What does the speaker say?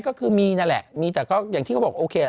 ก็คือมีนั่นแหละมีแต่ก็อย่างที่เขาบอกโอเค